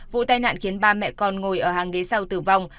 vụ tai nạn khiến ba mẹ con ngồi ở hàng ghế sau tử vong